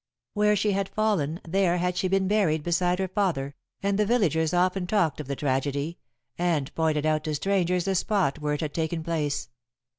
Where she had fallen there had she been buried beside her father, and the villagers often talked of the tragedy, and pointed out to strangers the spot where it had taken place.